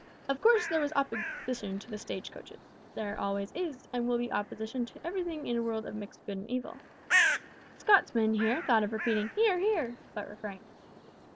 "Of course there was opposition to the stage coaches. There always is and will be opposition to everything in a world of mixed good and evil." (The Scotsman here thought of repeating "Hear! hear!" but refrained.)